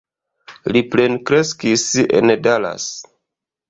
Li plenkreskis en Dallas.